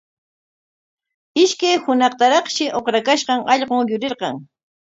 Ishkay hunaqtaraqshi uqrakashqan allqun yurirqan.